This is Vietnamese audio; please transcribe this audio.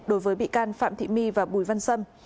đối với bị can phạm thị my và bùi văn sâm